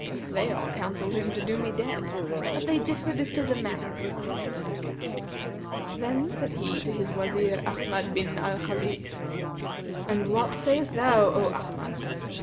They all counselled him to do me dead, but they differed as to the manner of my death. Then said he to his Wazir Ahmad bin al Khбlid, 'And what sayest thou, O Ahmad?'